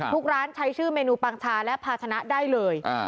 ร้านใช้ชื่อเมนูปังชาและภาชนะได้เลย